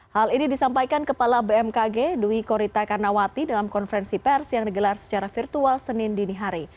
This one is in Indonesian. hal ini disampaikan kepala bmkg dwi korita karnawati dalam konferensi pers yang digelar secara virtual senin dinihari